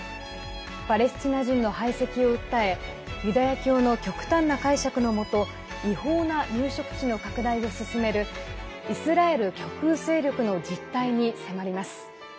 パレスチナ人の排斥を訴えユダヤ教の極端な解釈のもと違法な入植地の拡大を進めるイスラエル極右勢力の実態に迫ります。